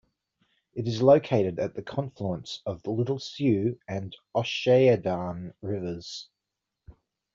It is located at the confluence of the Little Sioux and Ocheyedan Rivers.